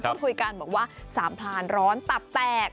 คุยกันบอกว่าสามพลานร้อนตับแตก